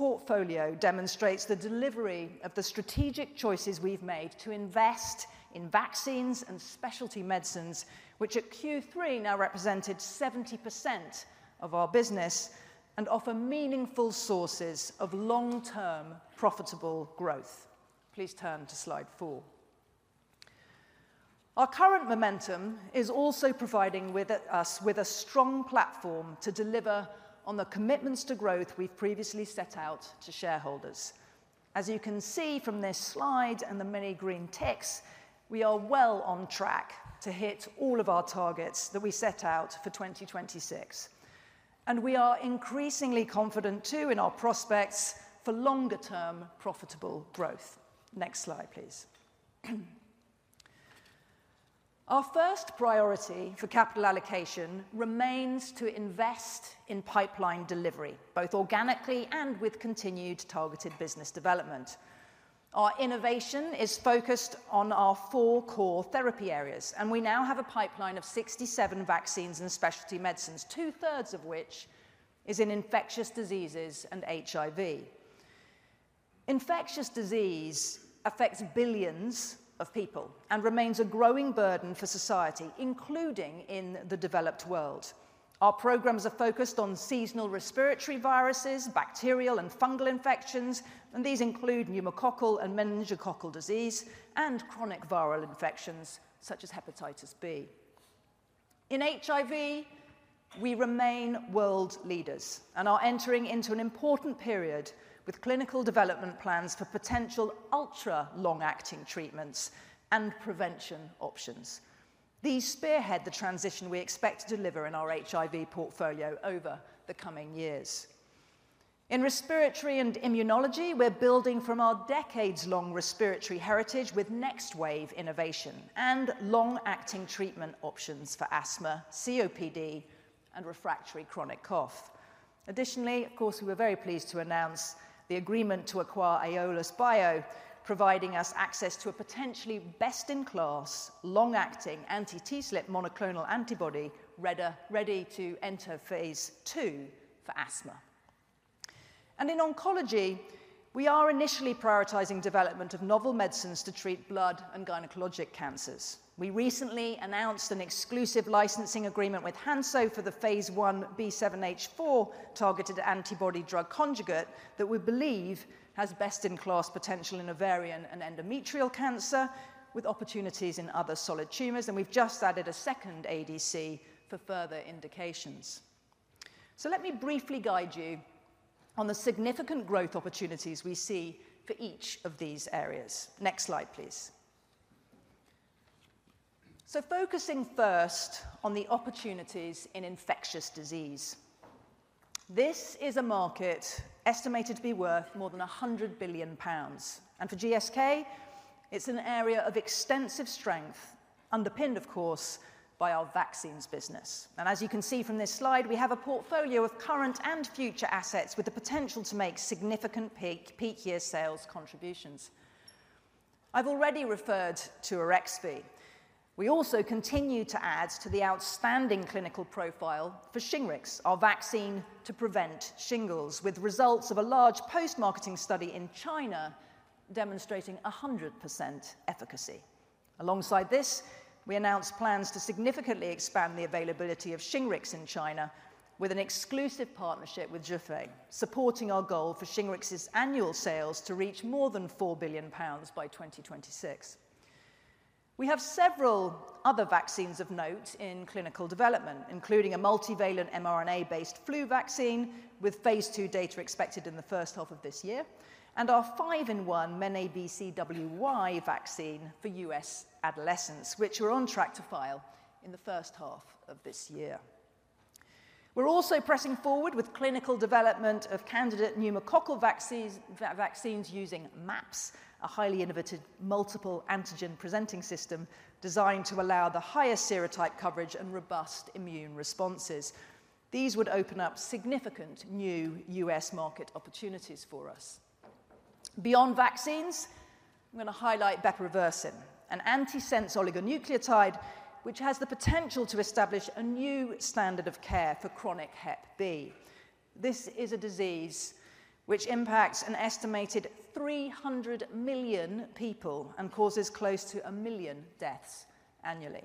Portfolio demonstrates the delivery of the strategic choices we've made to invest in vaccines and specialty medicines, which at Q3 now represented 70% of our business and offer meaningful sources of long-term profitable growth. Please turn to slide four. Our current momentum is also providing with us, with a strong platform to deliver on the commitments to growth we've previously set out to shareholders. As you can see from this slide and the many green ticks, we are well on track to hit all of our targets that we set out for 2026, and we are increasingly confident, too, in our prospects for longer-term profitable growth. Next slide, please. Our first priority for capital allocation remains to invest in pipeline delivery, both organically and with continued targeted business development. Our innovation is focused on our four core therapy areas, and we now have a pipeline of 67 vaccines and specialty medicines, 2/3 of which is in infectious diseases and HIV. Infectious disease affects billions of people and remains a growing burden for society, including in the developed world. Our programs are focused on seasonal respiratory viruses, bacterial and fungal infections, and these include pneumococcal and meningococcal disease, and chronic viral infections such as hepatitis B. In HIV, we remain world leaders and are entering into an important period with clinical development plans for potential ultra-long-acting treatments and prevention options. These spearhead the transition we expect to deliver in our HIV portfolio over the coming years. In respiratory and immunology, we're building from our decades-long respiratory heritage with next-wave innovation and long-acting treatment options for asthma, COPD, and refractory chronic cough. Additionally, of course, we were very pleased to announce the agreement to acquire Aiolos Bio, providing us access to a potentially best-in-class, long-acting anti-TSLP monoclonal antibody, ready to enter phase II for asthma. And in oncology, we are initially prioritizing development of novel medicines to treat blood and gynecologic cancers. We recently announced an exclusive licensing agreement with Hansoh for the phase I B7-H4 targeted antibody-drug conjugate that we believe has best-in-class potential in ovarian and endometrial cancer, with opportunities in other solid tumors, and we've just added a second ADC for further indications. So let me briefly guide you on the significant growth opportunities we see for each of these areas. Next slide, please. So focusing first on the opportunities in infectious disease. This is a market estimated to be worth more than 100 billion pounds, and for GSK, it's an area of extensive strength, underpinned, of course, by our vaccines business. As you can see from this slide, we have a portfolio of current and future assets with the potential to make significant peak, peak year sales contributions. I've already referred to AREXVY. We also continue to add to the outstanding clinical profile for SHINGRIX, our vaccine to prevent shingles, with results of a large post-marketing study in China demonstrating 100% efficacy. Alongside this, we announced plans to significantly expand the availability of SHINGRIX in China with an exclusive partnership with Zhifei, supporting our goal for SHINGRIX's annual sales to reach more than 4 billion pounds by 2026. We have several other vaccines of note in clinical development, including a multivalent mRNA-based flu vaccine, with phase II data expected in the first half of this year, and our five-in-one MenABCWY vaccine for U.S. adolescents, which are on track to file in the first half of this year. We're also pressing forward with clinical development of candidate pneumococcal vaccines, vaccines using MAPS, a highly innovative multiple antigen presenting system designed to allow the highest serotype coverage and robust immune responses. These would open up significant new U.S. market opportunities for us. Beyond vaccines, I'm going to highlight bepirovirsen, an antisense oligonucleotide, which has the potential to establish a new standard of care for chronic hep B. This is a disease which impacts an estimated 300 million people and causes close to one million deaths annually.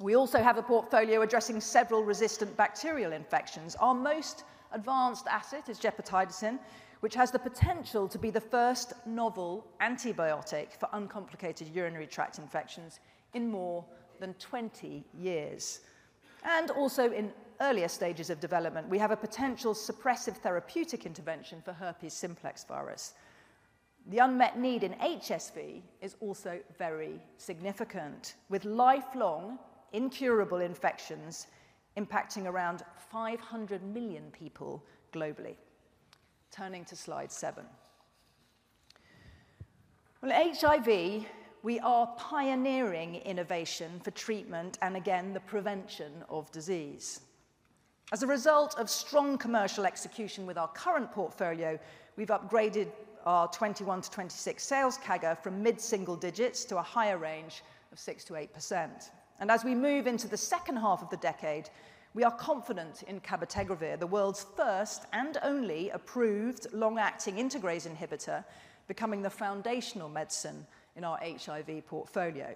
We also have a portfolio addressing several resistant bacterial infections. Our most advanced asset is gepotidacin, which has the potential to be the first novel antibiotic for uncomplicated urinary tract infections in more than 20 years. And also in earlier stages of development, we have a potential suppressive therapeutic intervention for herpes simplex virus. The unmet need in HSV is also very significant, with lifelong incurable infections impacting around 500 million people globally. Turning to slide seven. Well, HIV, we are pioneering innovation for treatment and again, the prevention of disease. As a result of strong commercial execution with our current portfolio, we've upgraded our 2021-2026 sales CAGR from mid-single digits to a higher range of 6%-8%. And as we move into the second half of the decade, we are confident in cabotegravir, the world's first and only approved long-acting integrase inhibitor, becoming the foundational medicine in our HIV portfolio.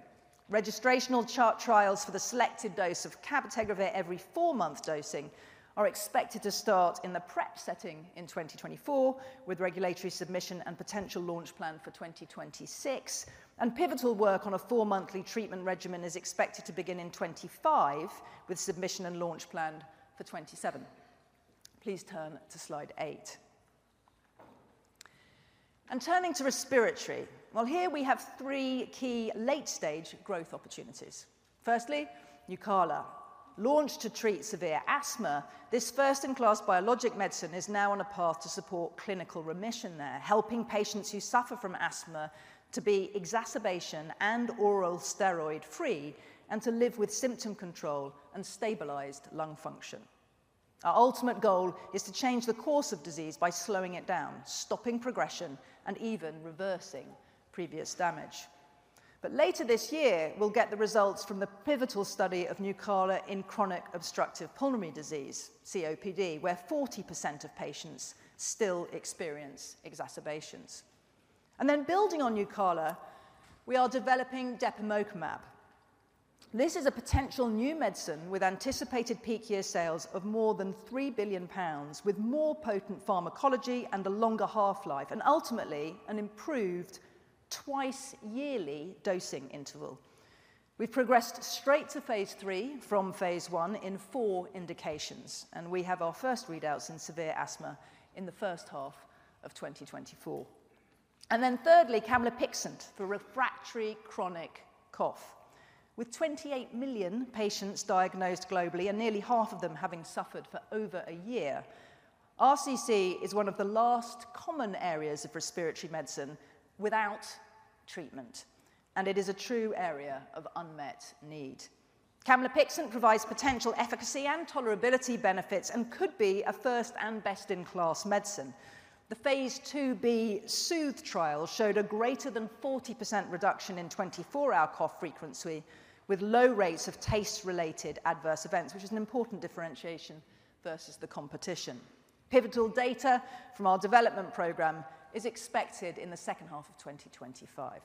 Registrational chart trials for the selected dose of cabotegravir every four-month dosing are expected to start in the PrEP setting in 2024, with regulatory submission and potential launch planned for 2026. Pivotal work on a four-monthly treatment regimen is expected to begin in 2025, with submission and launch planned for 2027. Please turn to slide eight. Turning to respiratory, well, here we have three key late-stage growth opportunities. Firstly, NUCALA. Launched to treat severe asthma, this first-in-class biologic medicine is now on a path to support clinical remission there, helping patients who suffer from asthma to be exacerbation and oral steroid-free and to live with symptom control and stabilized lung function. Our ultimate goal is to change the course of disease by slowing it down, stopping progression, and even reversing previous damage. But later this year, we'll get the results from the pivotal study of NUCALA in chronic obstructive pulmonary disease, COPD, where 40% of patients still experience exacerbations. And then building on NUCALA, we are developing depemokimab. This is a potential new medicine with anticipated peak year sales of more than 3 billion pounds, with more potent pharmacology and a longer half-life, and ultimately, an improved twice-yearly dosing interval. We've progressed straight to phase III from phase I in four indications, and we have our first readouts in severe asthma in the first half of 2024. And then thirdly, camlipixant for refractory chronic cough. With 28 million patients diagnosed globally and nearly half of them having suffered for over a year, RCC is one of the last common areas of respiratory medicine without treatment, and it is a true area of unmet need. Camlipixant provides potential efficacy and tolerability benefits and could be a first and best-in-class medicine. The phase 2b SOOTHE trial showed a greater than 40% reduction in 24-hour cough frequency with low rates of taste-related adverse events, which is an important differentiation versus the competition. Pivotal data from our development program is expected in the second half of 2025.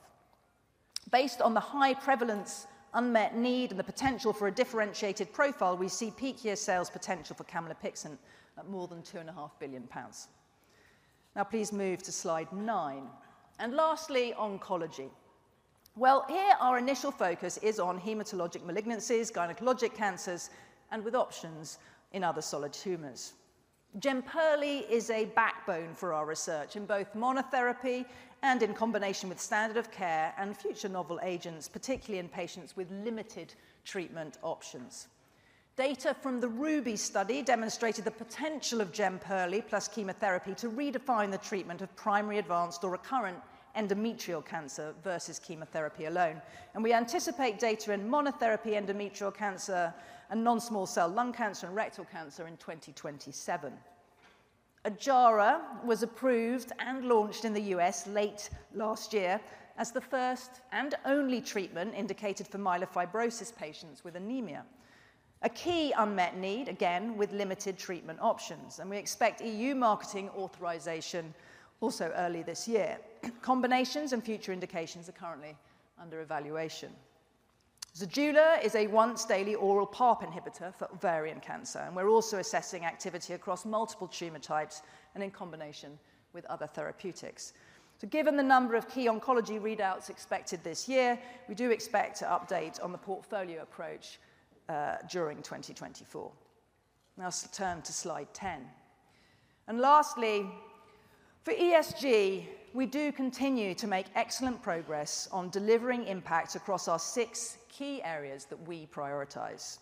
Based on the high prevalence, unmet need, and the potential for a differentiated profile, we see peak year sales potential for camlipixant at more than £2.5 billion. Now, please move to slide nine. Lastly, oncology. Well, here our initial focus is on hematologic malignancies, gynecologic cancers, and with options in other solid tumors. JEMPERLI is a backbone for our research in both monotherapy and in combination with standard of care and future novel agents, particularly in patients with limited treatment options. Data from the RUBY study demonstrated the potential of JEMPERLI plus chemotherapy to redefine the treatment of primary advanced or recurrent endometrial cancer versus chemotherapy alone. We anticipate data in monotherapy, endometrial cancer, and non-small cell lung cancer and rectal cancer in 2027. Ojjaara was approved and launched in the US late last year as the first and only treatment indicated for myelofibrosis patients with anemia, a key unmet need, again, with limited treatment options, and we expect EU marketing authorization also early this year. Combinations and future indications are currently under evaluation. Zejula is a once-daily oral PARP inhibitor for ovarian cancer, and we're also assessing activity across multiple tumor types and in combination with other therapeutics. Given the number of key oncology readouts expected this year, we do expect to update on the portfolio approach during 2024. Now, turn to slide ten. And lastly, for ESG, we do continue to make excellent progress on delivering impact across our six key areas that we prioritize.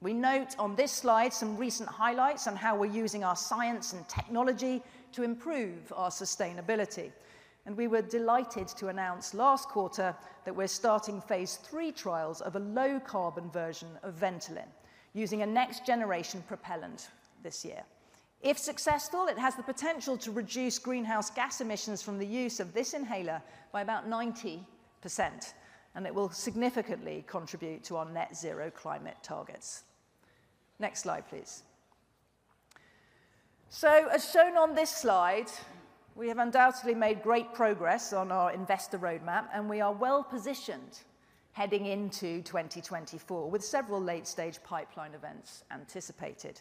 We note on this slide some recent highlights on how we're using our science and technology to improve our sustainability. We were delighted to announce last quarter that we're starting phase III trials of a low-carbon version of Ventolin, using a next-generation propellant this year. If successful, it has the potential to reduce greenhouse gas emissions from the use of this inhaler by about 90%, and it will significantly contribute to our net zero climate targets. Next slide, please. As shown on this slide, we have undoubtedly made great progress on our investor roadmap, and we are well positioned heading into 2024, with several late-stage pipeline events anticipated.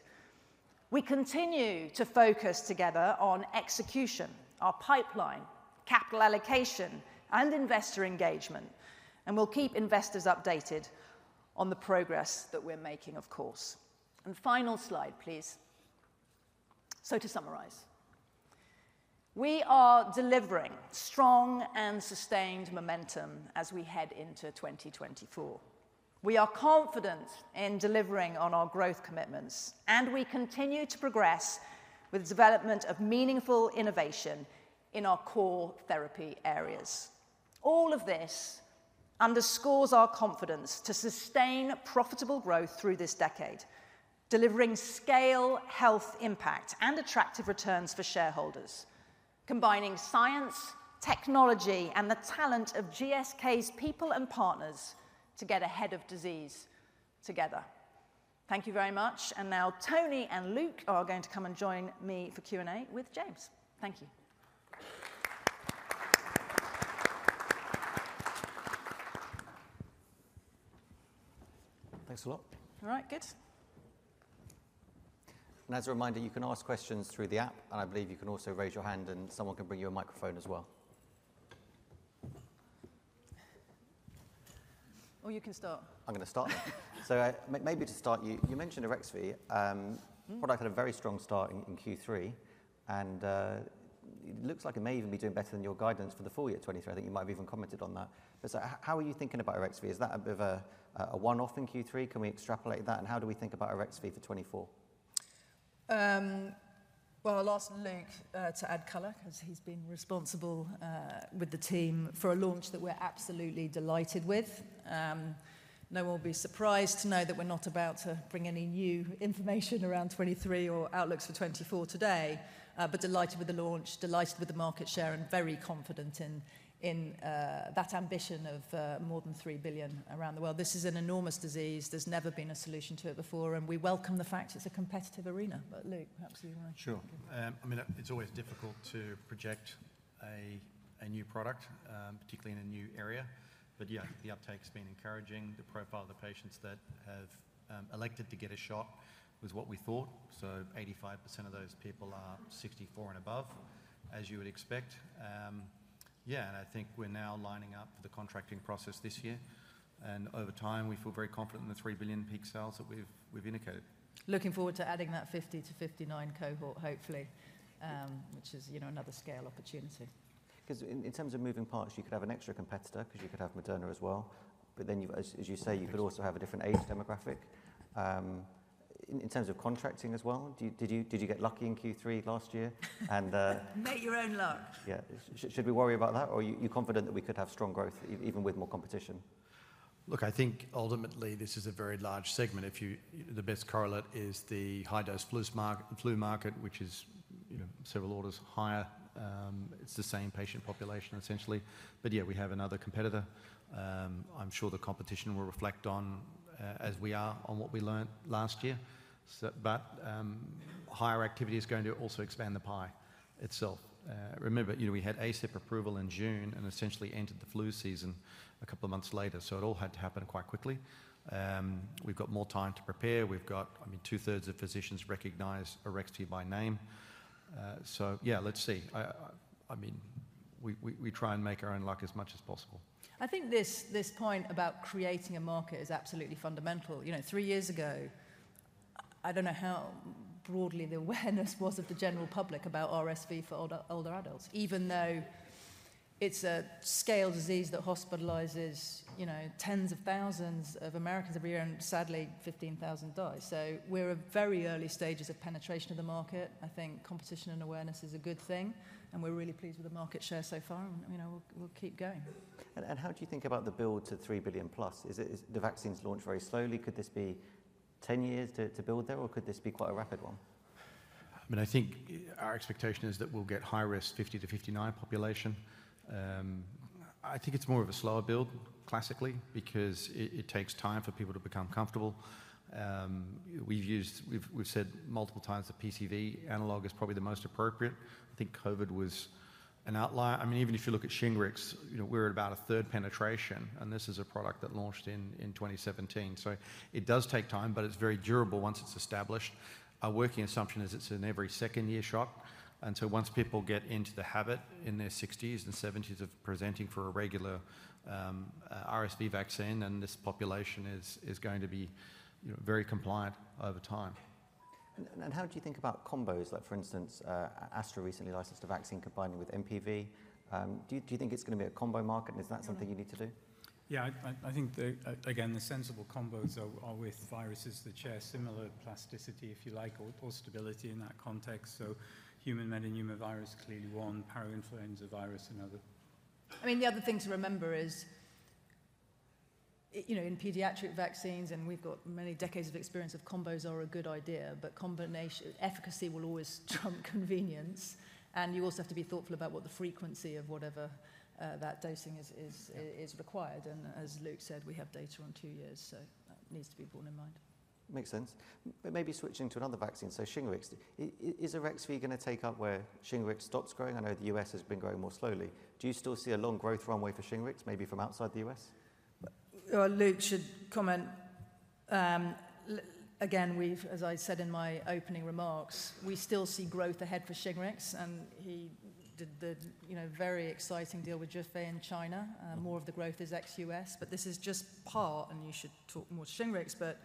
We continue to focus together on execution, our pipeline, capital allocation, and investor engagement, and we'll keep investors updated on the progress that we're making, of course. Final slide, please. To summarize, we are delivering strong and sustained momentum as we head into 2024. We are confident in delivering on our growth commitments, and we continue to progress with the development of meaningful innovation in our core therapy areas. All of this underscores our confidence to sustain profitable growth through this decade, delivering scale, health impact, and attractive returns for shareholders. Combining science, technology, and the talent of GSK's people and partners to get ahead of disease together. Thank you very much, and now Tony and Luke are going to come and join me for Q&A with James. Thank you. Thanks a lot. All right, good. As a reminder, you can ask questions through the app, and I believe you can also raise your hand, and someone can bring you a microphone as well. Or you can start. I'm going to start. So, maybe to start, you mentioned AREXVY. Mm-hmm. A product had a very strong start in Q3, and it looks like it may even be doing better than your guidance for the full year 2023. I think you might have even commented on that. But so how are you thinking about AREXVY? Is that a bit of a one-off in Q3? Can we extrapolate that, and how do we think about AREXVY for 2024? Well, I'll ask Luke to add color, because he's been responsible with the team for a launch that we're absolutely delighted with. No one will be surprised to know that we're not about to bring any new information around 2023 or outlooks for 2024 today. But delighted with the launch, delighted with the market share, and very confident in that ambition of more than 3 billion around the world. This is an enormous disease. There's never been a solution to it before, and we welcome the fact it's a competitive arena. But Luke, perhaps you want to- Sure. I mean, it's always difficult to project a new product, particularly in a new area. But yeah, the uptake's been encouraging. The profile of the patients that have elected to get a shot was what we thought. So 85% of those people are 64 and above, as you would expect. Yeah, and I think we're now lining up the contracting process this year, and over time, we feel very confident in the $3 billion peak sales that we've indicated. Looking forward to adding that 50-59 cohort, hopefully, which is, you know, another scale opportunity. 'Cause in terms of moving parts, you could have an extra competitor, because you could have Moderna as well. But then you—as you say, you could also have a different age demographic. In terms of contracting as well, do you... Did you get lucky in Q3 last year, and Make your own luck. Yeah. Should we worry about that, or are you confident that we could have strong growth even with more competition? Look, I think ultimately, this is a very large segment. The best correlate is the high-dose flu smart-- the flu market, which is, you know, several orders higher. It's the same patient population, essentially. But yeah, we have another competitor. I'm sure the competition will reflect on, as we are, on what we learned last year. So but, higher activity is going to also expand the pie itself. Remember, you know, we had ACIP approval in June and essentially entered the flu season a couple of months later, so it all had to happen quite quickly. We've got more time to prepare. We've got... I mean, two-thirds of physicians recognize AREXVY by name. So yeah, let's see. I mean, we try and make our own luck as much as possible. I think this point about creating a market is absolutely fundamental. You know, three years ago, I don't know how broadly the awareness was of the general public about RSV for older adults, even though it's a scale disease that hospitalizes, you know, tens of thousands of Americans every year, and sadly, 15,000 die. So we're at very early stages of penetration of the market. I think competition and awareness is a good thing, and we're really pleased with the market share so far, and, you know, we'll keep going. How do you think about the build to 3 billion+? Is it, the vaccine's launched very slowly. Could this be 10 years to build there, or could this be quite a rapid one? I mean, I think our expectation is that we'll get high risk 50-59 population. I think it's more of a slower build classically, because it takes time for people to become comfortable. We've said multiple times that PCV analog is probably the most appropriate. I think COVID was an outlier. I mean, even if you look at SHINGRIX, you know, we're at about a third penetration, and this is a product that launched in 2017. So it does take time, but it's very durable once it's established. Our working assumption is it's an every second year shot, and so once people get into the habit in their 60s and 70s of presenting for a regular RSV vaccine, and this population is going to be, you know, very compliant over time. How do you think about combos? Like, for instance, Astra recently licensed a vaccine combining with hMPV. Do you think it's going to be a combo market, and is that something you need to do? Yeah, I think again, the sensible combos are with viruses that share similar plasticity, if you like, or stability in that context. So human metapneumovirus, clearly one, parainfluenza virus, another. I mean, the other thing to remember is, you know, in pediatric vaccines, and we've got many decades of experience, of combos are a good idea, but combination efficacy will always trump convenience. And you also have to be thoughtful about what the frequency of whatever that dosing is required. And as Luke said, we have data on two years, so that needs to be borne in mind. Makes sense. But maybe switching to another vaccine, so SHINGRIX. Is AREXVY going to take up where SHINGRIX stops growing? I know the U.S. has been growing more slowly. Do you still see a long growth runway for SHINGRIX, maybe from outside the U.S.? Well, Luke should comment. Again, we've, as I said in my opening remarks, we still see growth ahead for SHINGRIX, and he did the, you know, very exciting deal with Zhifei in China. More of the growth is ex-U.S., but this is just part, and you should talk more SHINGRIX. But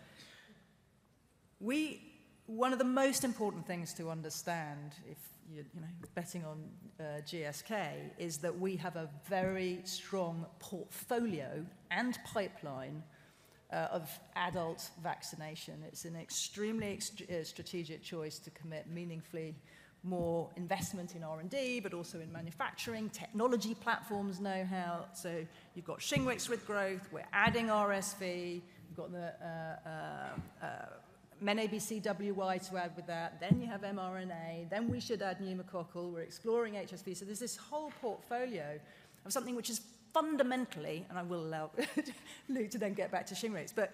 we-- One of the most important things to understand if you're, you know, betting on GSK, is that we have a very strong portfolio and pipeline of adult vaccination. It's an extremely strategic choice to commit meaningfully more investment in R&D, but also in manufacturing, technology platforms, know-how. So you've got SHINGRIX with growth, we're adding RSV, we've got the MenABCWY to add with that, then you have mRNA, then we should add pneumococcal. We're exploring HSV. So there's this whole portfolio of something which is fundamentally, and I will allow Luke to then get back to SHINGRIX. But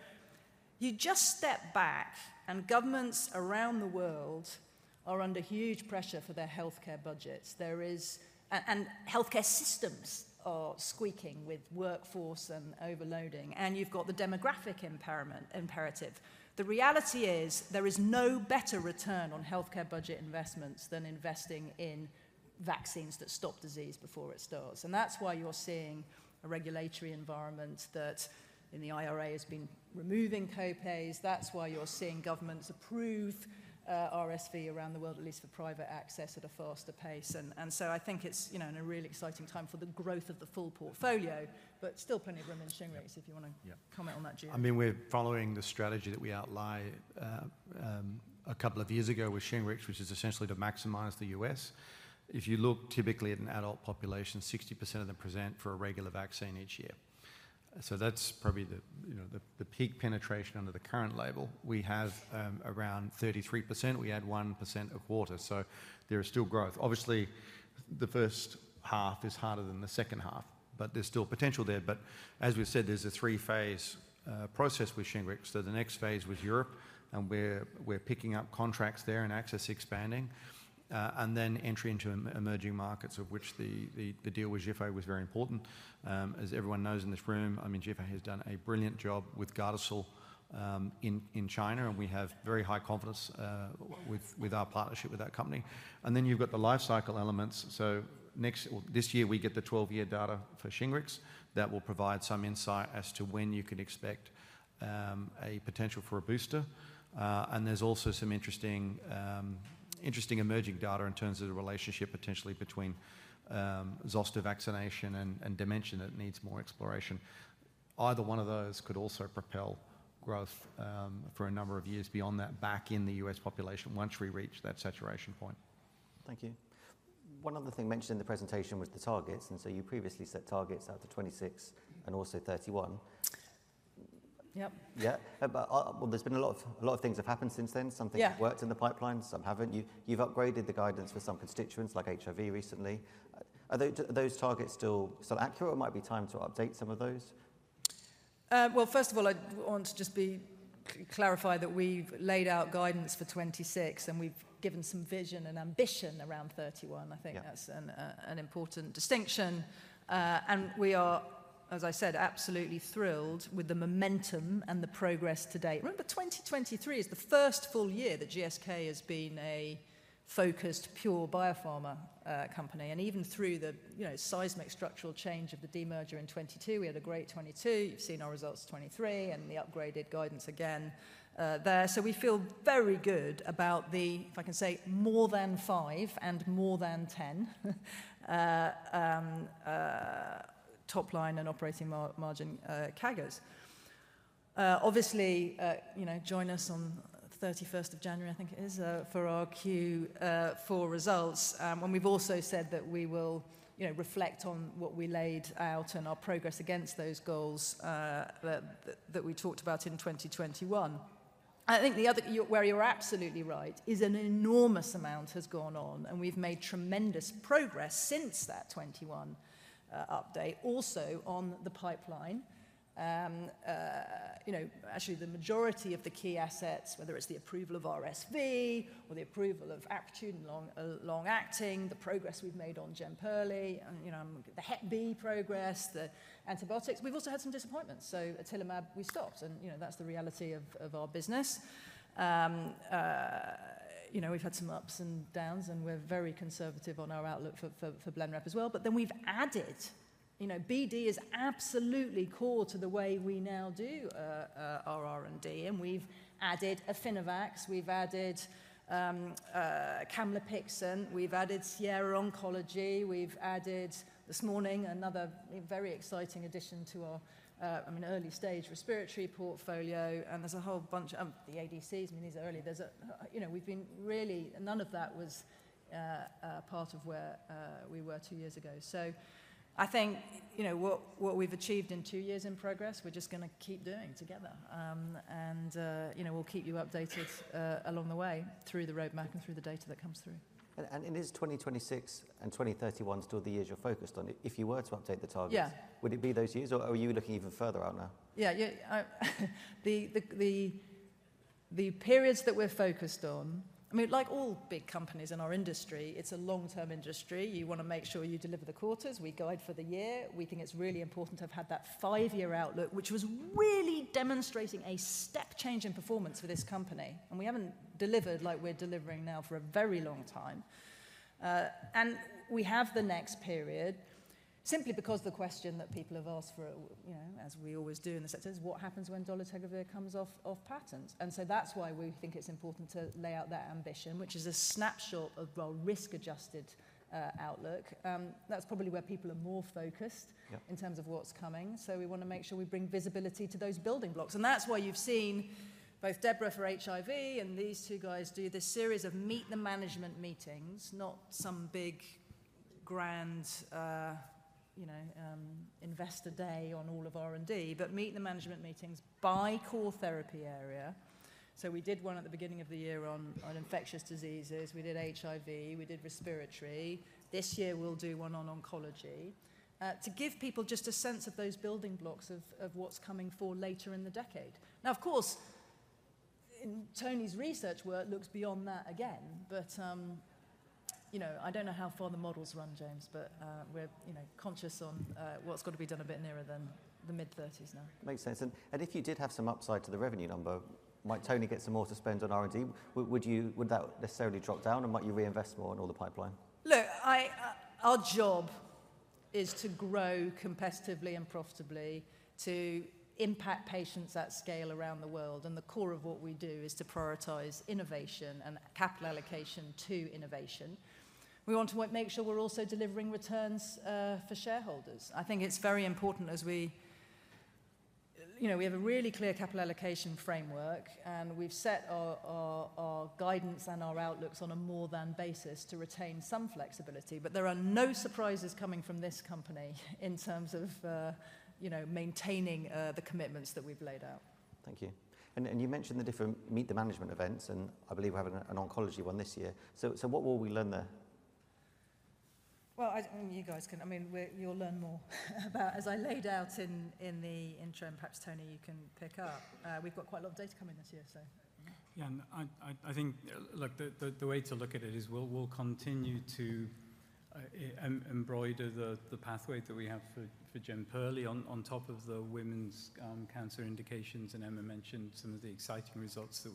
you just step back, and governments around the world are under huge pressure for their healthcare budgets. There is and healthcare systems are squeaking with workforce and overloading, and you've got the demographic imperative. The reality is, there is no better return on healthcare budget investments than investing in vaccines that stop disease before it starts. And that's why you're seeing a regulatory environment that, in the IRA, has been removing co-pays. That's why you're seeing governments approve RSV around the world, at least for private access, at a faster pace. And so I think it's, you know, in a really exciting time for the growth of the full portfolio, but still plenty of room in SHINGRIX- Yeah. - if you want to- Yeah. - comment on that, Jim. I mean, we're following the strategy that we outlay, a couple of years ago with SHINGRIX, which is essentially to maximize the U.S. If you look typically at an adult population, 60% of them present for a regular vaccine each year. So that's probably the, you know, the, the peak penetration under the current label. We have, around 33%. We add 1% a quarter, so there is still growth. Obviously, the first half is harder than the second half, but there's still potential there. But as we've said, there's a three-phase, process with SHINGRIX. So the next phase was Europe, and we're, we're picking up contracts there and access expanding, and then entry into emerging markets, of which the, the, the deal with Zhifei was very important. As everyone knows in this room, I mean, Zhifei has done a brilliant job with Gardasil, in, in China, and we have very high confidence, with, with our partnership with that company. Then you've got the life cycle elements. So next, well, this year we get the 12-year data for SHINGRIX. That will provide some insight as to when you can expect, a potential for a booster. And there's also some interesting, interesting emerging data in terms of the relationship potentially between, zoster vaccination and, and dementia that needs more exploration. Either one of those could also propel growth, for a number of years beyond that, back in the U.S. population, once we reach that saturation point. Thank you. One other thing mentioned in the presentation was the targets, and so you previously set targets out to 2026 and also 2031. Yep. Yeah. But, well, there's been a lot of things have happened since then. Yeah. Some things have worked in the pipeline, some haven't. You've upgraded the guidance for some constituents, like HIV recently. Are those targets still accurate, or it might be time to update some of those? Well, first of all, I want to just clarify that we've laid out guidance for 2026, and we've given some vision and ambition around 2031. Yeah. I think that's an important distinction. And we are, as I said, absolutely thrilled with the momentum and the progress to date. Remember, 2023 is the first full year that GSK has been a focused, pure biopharma company. And even through the, you know, seismic structural change of the demerger in 2022, we had a great 2022. You've seen our results 2023 and the upgraded guidance again, there. So we feel very good about the, if I can say, more than five and more than ten top line and operating margin CAGRs. Obviously, you know, join us on 31st of January, I think it is, for our Q4 results. And we've also said that we will, you know, reflect on what we laid out and our progress against those goals, that we talked about in 2021. I think the other, where you're absolutely right, is an enormous amount has gone on, and we've made tremendous progress since that 2021 update, also on the pipeline. You know, actually, the majority of the key assets, whether it's the approval of RSV or the approval of Apretude, long-acting, the progress we've made on JEMPERLI, and, you know, the HBV progress, the antibiotics. We've also had some disappointments, so otilimab, we stopped, and, you know, that's the reality of our business. You know, we've had some ups and downs, and we're very conservative on our outlook for BLENREP as well. But then we've added... You know, BD is absolutely core to the way we now do our R&D, and we've added Affinivax, we've added camlipixant, we've added Sierra Oncology, we've added this morning another very exciting addition to our I mean early-stage respiratory portfolio, and there's a whole bunch the ADCs, I mean, these are early. There's a-- you know, we've been really-- none of that was part of where we were two years ago. So I think, you know, what we've achieved in two years in progress, we're just gonna keep doing together. And you know, we'll keep you updated along the way, through the roadmap and through the data that comes through. Is 2026 and 2031 still the years you're focused on? If you were to update the targets- Yeah. Would it be those years, or are you looking even further out now? Yeah, yeah, the periods that we're focused on... I mean, like all big companies in our industry, it's a long-term industry. You wanna make sure you deliver the quarters. We guide for the year. We think it's really important to have had that five-year outlook, which was really demonstrating a step change in performance for this company, and we haven't delivered like we're delivering now for a very long time... And we have the next period simply because the question that people have asked for, you know, as we always do in the sector, is: What happens when dolutegravir comes off patent? And so that's why we think it's important to lay out that ambition, which is a snapshot of our risk-adjusted outlook. That's probably where people are more focused- Yeah. in terms of what's coming, so we want to make sure we bring visibility to those building blocks. And that's why you've seen both Deborah for HIV and these two guys do this series of meet-the-management meetings, not some big grand, you know, investor day on all of R&D, but meet-the-management meetings by core therapy area. So we did one at the beginning of the year on infectious diseases. We did HIV, we did respiratory. This year, we'll do one on oncology, to give people just a sense of those building blocks of what's coming for later in the decade. Now, of course, in Tony's research work looks beyond that again, but, you know, I don't know how far the models run, James, but, we're, you know, conscious on, what's got to be done a bit nearer than the mid-thirties now. Makes sense, and if you did have some upside to the revenue number, might Tony get some more to spend on R&D? Would you, would that necessarily drop down, and might you reinvest more in all the pipeline? Look, I, Our job is to grow competitively and profitably, to impact patients at scale around the world, and the core of what we do is to prioritize innovation and capital allocation to innovation. We want to make sure we're also delivering returns, for shareholders. I think it's very important as we... You know, we have a really clear capital allocation framework, and we've set our, our, our guidance and our outlooks on a more-than basis to retain some flexibility. But there are no surprises coming from this company in terms of, you know, maintaining, the commitments that we've laid out. Thank you. And, you mentioned the different meet-the-management events, and I believe we're having an oncology one this year. So, what will we learn there? Well, you guys can... I mean, you'll learn more about... As I laid out in the intro, and perhaps, Tony, you can pick up. We've got quite a lot of data coming this year, so. Yeah, I think, look, the way to look at it is we'll continue to embroider the pathway that we have for JEMPERLI on top of the women's cancer indications. Emma mentioned some of the exciting results that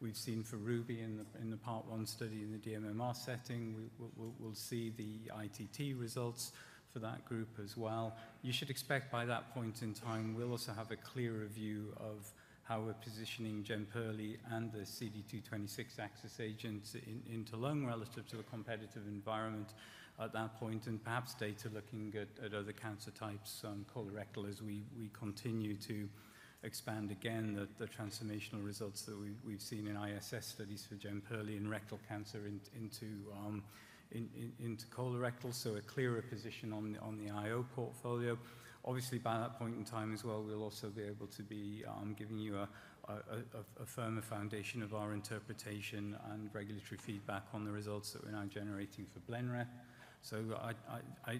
we've seen for RUBY in the part one study in the dMMR setting. We'll see the ITT results for that group as well. You should expect by that point in time, we'll also have a clearer view of how we're positioning JEMPERLI and the CD226 axis agents into lung relative to a competitive environment at that point, and perhaps data looking at other cancer types, colorectal, as we continue to expand the transformational results that we've seen in MSI studies for JEMPERLI in rectal cancer into colorectal, so a clearer position on the IO portfolio. Obviously, by that point in time as well, we'll also be able to give you a firmer foundation of our interpretation and regulatory feedback on the results that we're now generating for BLENREP. So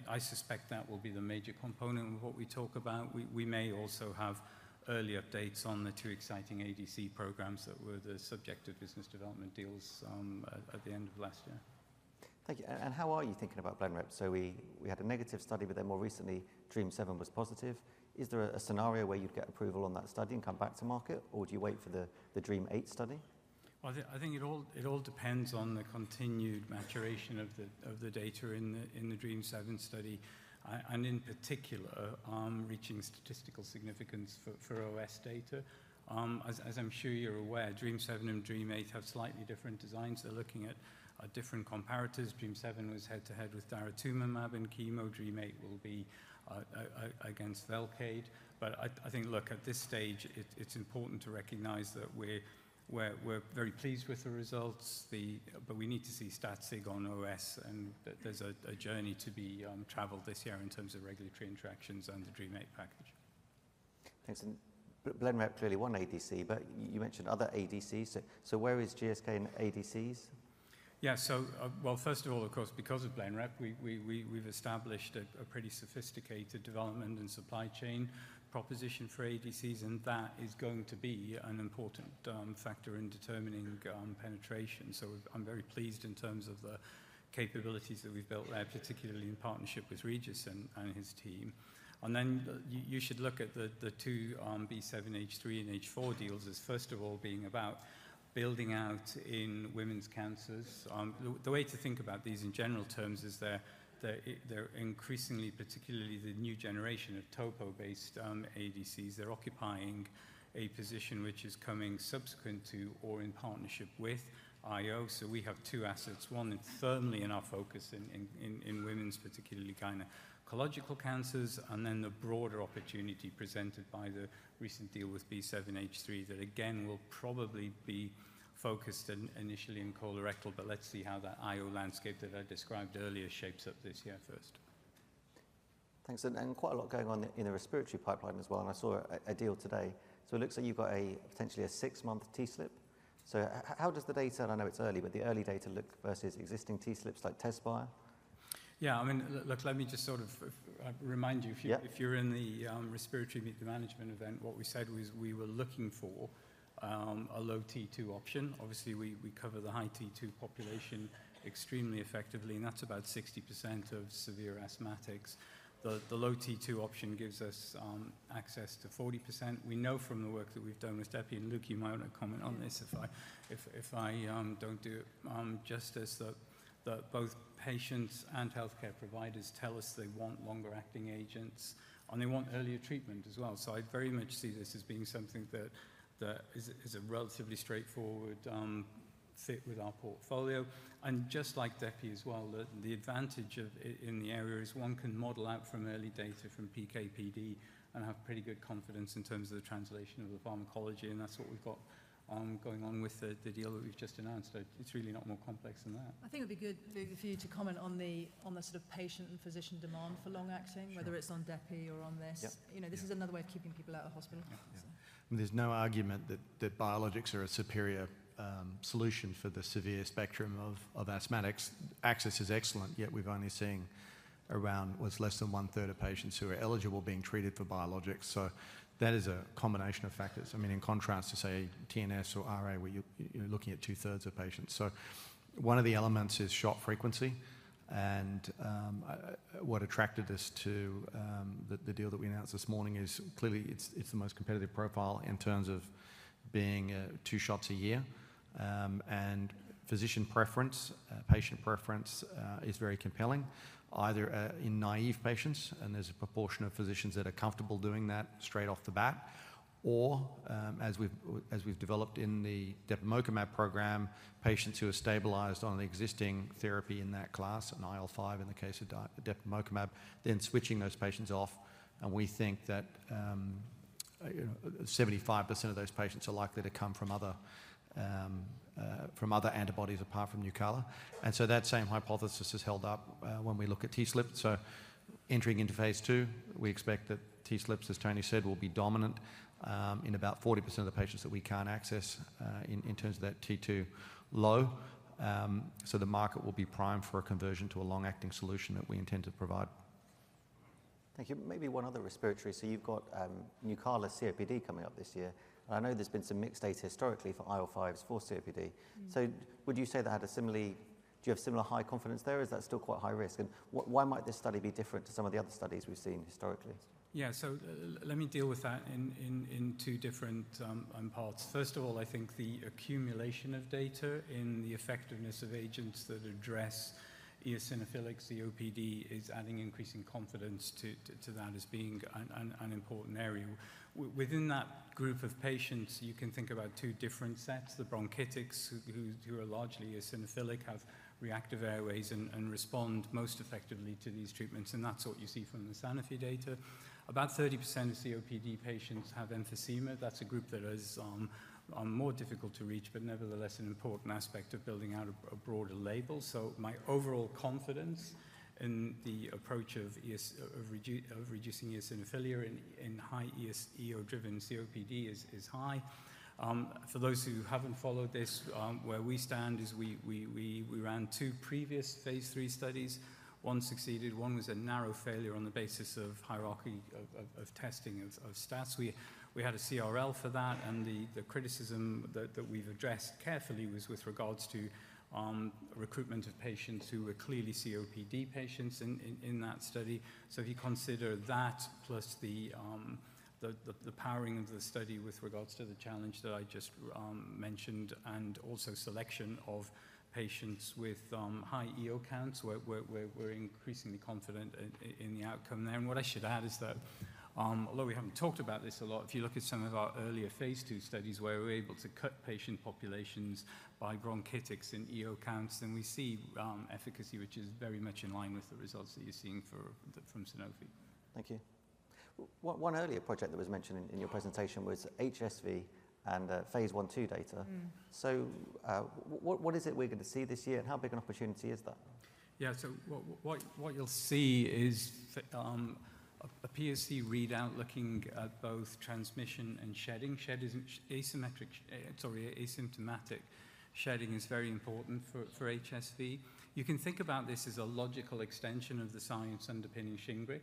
I suspect that will be the major component of what we talk about. We may also have early updates on the two exciting ADC programs that were the subject of business development deals, at the end of last year. Thank you. And how are you thinking about BLENREP? So we had a negative study, but then more recently, DREAMM-7 was positive. Is there a scenario where you'd get approval on that study and come back to market, or do you wait for the DREAMM-8 study? Well, I think it all depends on the continued maturation of the data in the DREAMM-7 study, and in particular, reaching statistical significance for OS data. As I'm sure you're aware, DREAMM-7 and DREAMM-8 have slightly different designs. They're looking at different comparators. DREAMM-7 was head-to-head with durvalumab and chemo. DREAMM-8 will be against Velcade. But I think, look, at this stage, it's important to recognize that we're very pleased with the results, but we need to see stat sig on OS, and there's a journey to be traveled this year in terms of regulatory interactions and the DREAMM-8 package. Thanks. BLENREP clearly one ADC, but you mentioned other ADCs. So where is GSK in ADCs? Yeah. So, well, first of all, of course, because of BLENREP, we've established a pretty sophisticated development and supply chain proposition for ADCs, and that is going to be an important factor in determining penetration. So I'm very pleased in terms of the capabilities that we've built there, particularly in partnership with Regis and his team. And then you should look at the two B7-H3 and H4 deals as first of all being about building out in women's cancers. The way to think about these in general terms is they're increasingly, particularly the new generation of topo-based ADCs, they're occupying a position which is coming subsequent to or in partnership with IO. So we have two assets. One is firmly in our focus in women's, particularly gynecological cancers, and then the broader opportunity presented by the recent deal with B7-H3 that again will probably be focused initially in colorectal, but let's see how the IO landscape that I described earlier shapes up this year first. Thanks, and quite a lot going on in the respiratory pipeline as well, and I saw a deal today. So it looks like you've got potentially a six-month TSLP. So how does the data, and I know it's early, but the early data look versus existing TSLPs, like Tezspire? Yeah, I mean, look, let me just sort of remind you- Yeah If you're in the respiratory meet-the-management event, what we said was we were looking for a low T2 option. Obviously, we cover the high T2 population extremely effectively, and that's about 60% of severe asthmatics. The low T2 option gives us access to 40%. We know from the work that we've done with Depi, and Luke, you might want to comment on this if I don't do it justice, that both patients and healthcare providers tell us they want longer-acting agents, and they want earlier treatment as well. So I very much see this as being something that is a relatively straightforward fit with our portfolio. Just like depemokimab as well, the advantage of IL-5 in the area is one can model out from early data from PK/PD and have pretty good confidence in terms of the translation of the pharmacology, and that's what we've got going on with the deal that we've just announced. So it's really not more complex than that. I think it'd be good for you to comment on the sort of patient and physician demand for long-acting- Sure. whether it's on Depi or on this. Yep. You know, this is another way of keeping people out of hospital. Yeah. There's no argument that biologics are a superior solution for the severe spectrum of asthmatics. Access is excellent, yet we've only seen around, what's less than one-third of patients who are eligible being treated for biologics. So that is a combination of factors. I mean, in contrast to, say, TNFs or RA, where you're looking at two-thirds of patients. So one of the elements is shot frequency, and what attracted us to the deal that we announced this morning is clearly it's the most competitive profile in terms of being two shots a year. And physician preference, patient preference, is very compelling, either in naive patients, and there's a proportion of physicians that are comfortable doing that straight off the bat, or, as we've developed in the depemokimab program, patients who are stabilized on an existing therapy in that class, an IL-5 in the case of depemokimab, then switching those patients off, and we think that, you know, 75% of those patients are likely to come from other from other antibodies apart from NUCALA. So that same hypothesis is held up when we look at TSLP. So entering into phase II, we expect that TSLP's, as Tony said, will be dominant in about 40% of the patients that we can't access in terms of that T2 low. The market will be primed for a conversion to a long-acting solution that we intend to provide. Thank you. Maybe one other respiratory. So you've got, NUCALA COPD coming up this year, and I know there's been some mixed data historically for IL-5s for COPD. So would you say that had a similarly... Do you have similar high confidence there, or is that still quite high risk? And why might this study be different to some of the other studies we've seen historically? Yeah, so let me deal with that in two different parts. First of all, I think the accumulation of data in the effectiveness of agents that address eosinophilic COPD is adding increasing confidence to that as being an important area. Within that group of patients, you can think about two different sets: the bronchiectics, who are largely eosinophilic, have reactive airways and respond most effectively to these treatments, and that's what you see from the Sanofi data. About 30% of COPD patients have emphysema. That's a group that is more difficult to reach, but nevertheless, an important aspect of building out a broader label. So my overall confidence in the approach of reducing eosinophilia in high EO-driven COPD is high. For those who haven't followed this, where we stand is we ran two previous phase III studies. One succeeded, one was a narrow failure on the basis of hierarchy of testing, of stats. We had a CRL for that, and the criticism that we've addressed carefully was with regards to recruitment of patients who were clearly COPD patients in that study. So if you consider that, plus the powering of the study with regards to the challenge that I just mentioned, and also selection of patients with high EO counts, we're increasingly confident in the outcome there. What I should add is that, although we haven't talked about this a lot, if you look at some of our earlier phase II studies, where we were able to cut patient populations by bronchiectasis in EO counts, and we see, efficacy, which is very much in line with the results that you're seeing for... From Sanofi. Thank you. One earlier project that was mentioned in your presentation was HSV and phase I/II data. Mm. What is it we're going to see this year, and how big an opportunity is that? Yeah, so what you'll see is a PoC readout looking at both transmission and shedding. Shedding is asymmetric, asymptomatic shedding is very important for HSV. You can think about this as a logical extension of the science underpinning SHINGRIX,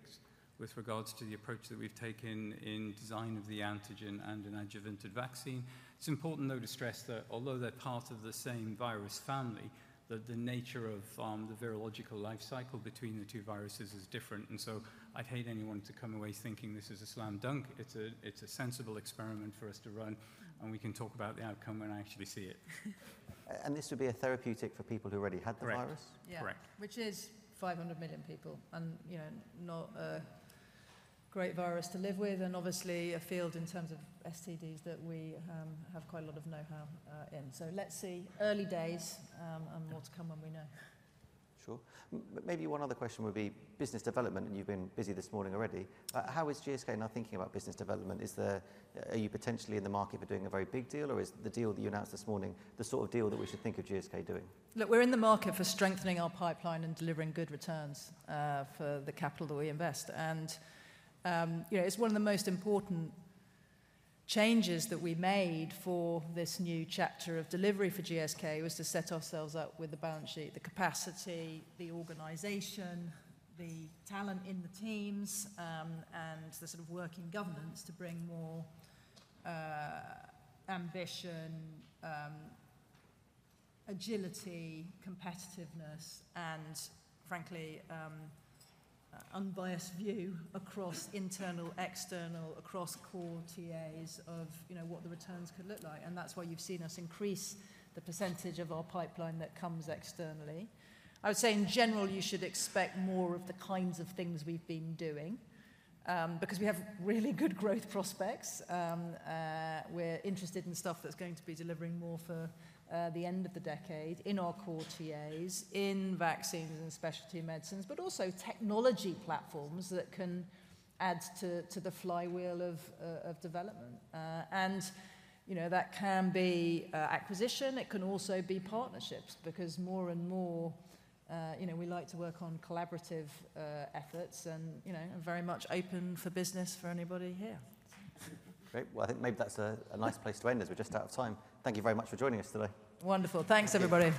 with regards to the approach that we've taken in design of the antigen and an adjuvanted vaccine. It's important, though, to stress that although they're part of the same virus family, that the nature of the virological life cycle between the two viruses is different. And so I'd hate anyone to come away thinking this is a slam dunk. It's a sensible experiment for us to run, and we can talk about the outcome when I actually see it. This would be a therapeutic for people who already had the virus? Correct. Yeah. Correct. Which is 500 million people, and, you know, not a great virus to live with, and obviously a field in terms of STDs that we have quite a lot of know-how in. So let's see. Early days, and more to come when we know. Sure. Maybe one other question would be business development, and you've been busy this morning already. How is GSK now thinking about business development? Are you potentially in the market for doing a very big deal, or is the deal that you announced this morning the sort of deal that we should think of GSK doing? Look, we're in the market for strengthening our pipeline and delivering good returns for the capital that we invest. And, you know, it's one of the most important changes that we made for this new chapter of delivery for GSK, was to set ourselves up with the balance sheet, the capacity, the organization, the talent in the teams, and the sort of working governance to bring more ambition, agility, competitiveness, and frankly, unbiased view across internal, external, across core TAs of, you know, what the returns could look like. And that's why you've seen us increase the percentage of our pipeline that comes externally. I would say, in general, you should expect more of the kinds of things we've been doing because we have really good growth prospects. We're interested in stuff that's going to be delivering more for the end of the decade in our core TAs, in vaccines and specialty medicines, but also technology platforms that can add to the flywheel of development. And, you know, that can be acquisition. It can also be partnerships, because more and more, you know, we like to work on collaborative efforts and, you know, are very much open for business for anybody here. Great. Well, I think maybe that's a nice place to end, as we're just out of time. Thank you very much for joining us today. Wonderful. Thanks, everybody.